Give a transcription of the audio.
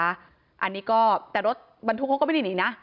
อันนี้ก็แต่รถบรรทุกเขาก็ไม่ได้หนีนะ